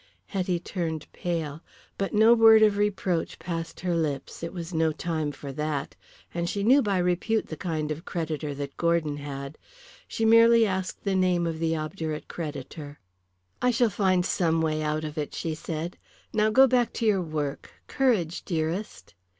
Hetty turned pale. But no word of reproach passed her lips. It was no time for that. And she knew by repute the kind of creditor that Gordon had. She merely asked the name of the obdurate creditor. "I shall find some way out of it," she said. "Now go back to your work. Courage, dearest."